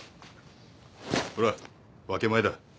ほら分け前だ。